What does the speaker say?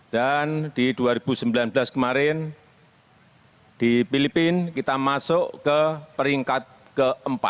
dan di dua ribu sembilan belas kemarin di filipina kita masuk ke peringkat ke empat